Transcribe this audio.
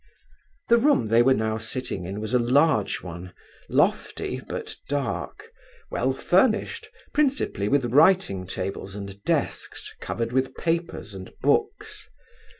The room they were now sitting in was a large one, lofty but dark, well furnished, principally with writing tables and desks covered with papers and books.